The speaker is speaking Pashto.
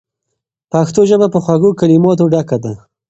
پښتو ژبه په خوږو کلماتو ډکه ده.